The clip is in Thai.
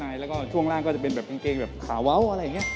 ใช่แล้วก็ช่วงล่างก็จะเป็นแบบกางเกงแบบขาเว้าอะไรอย่างนี้